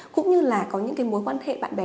cũng như là có những cái mối quan hệ bạn bè